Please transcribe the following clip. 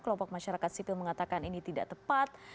kelompok masyarakat sipil mengatakan ini tidak tepat